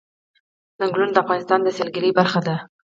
چنګلونه د افغانستان د سیلګرۍ برخه ده.